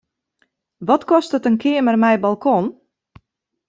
Wat kostet in keamer mei balkon?